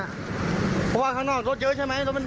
อ่ะเพราะว่าข้างนอกรถเยอะใช่ไหมรถมันเยอะ